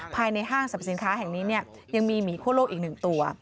ภายในห้างสรรพสินค้าแห่งนี้ยังมีหมีคั่วโลกอีก๑ตัว